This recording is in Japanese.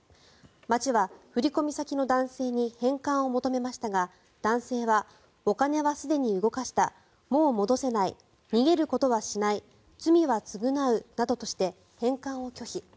町は振込先の男性に返還を求めましたが男性は、お金はすでに動かしたもう戻せない逃げることはしない罪は償うなどとして返還を拒否。